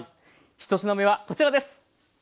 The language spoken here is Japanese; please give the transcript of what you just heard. １品目はこちらです。